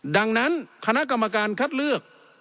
ดังนั้นคณะกรรมการคัดเลือก